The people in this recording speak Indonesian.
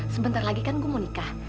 sebentar lagi kan gue mau nikah